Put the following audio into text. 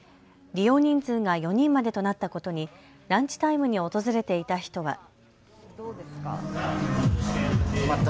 利用人数が４人までとなったことにランチタイムに訪れていた人は。